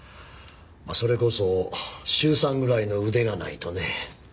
それこそ修さんぐらいの腕がないとね。